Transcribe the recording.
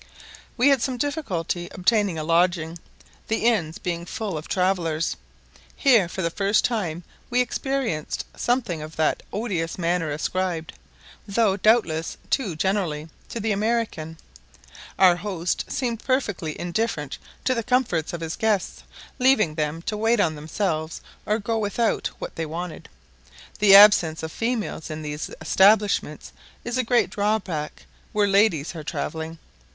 We had some difficulty obtaining a lodging, the inns being full of travellers; here, for the first time we experienced something of that odious manner ascribed, though doubtless too generally, to the American. Our host seemed perfectly indifferent to the comfort of his guests, leaving them to wait on themselves or go without what they wanted. The absence of females in these establishments is a great drawback where ladies are travelling.